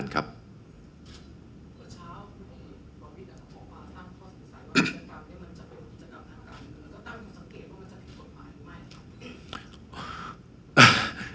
คุณบอกว่าตั้งข้อสุดท้ายว่ากิจกรรมนี้มันจะจัดการการเมือง